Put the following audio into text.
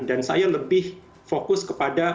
dan saya lebih fokus kepada